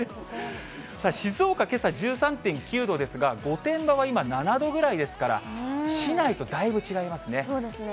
静岡、けさ１３．９度ですが、御殿場は今、７度ぐらいですから、市内とそうですね。